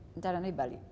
rencananya di bali